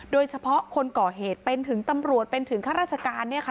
โดยเฉพาะคนก่อเหตุเป็นถึงตำรวจเป็นถึงข้าราชการ